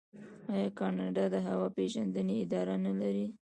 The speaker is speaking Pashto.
آیا کاناډا د هوا پیژندنې اداره نلري؟